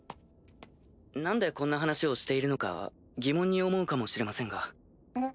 何でこんな話をしているのか疑問に思うかもしれませんが。